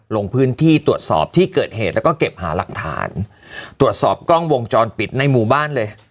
ลงพื้นที่ตรวจสอบที่เกิดเหตุแล้วก็เก็บหาหลักฐานตรวจสอบกล้องวงจรปิดในหมู่บ้านเลย